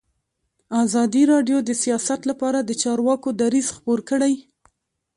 ازادي راډیو د سیاست لپاره د چارواکو دریځ خپور کړی.